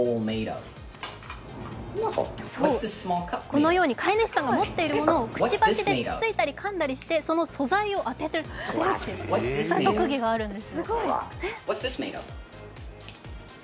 このように飼い主さんが持っているものをくちばしでかんだりして、その素材を当てるという特技があるんです。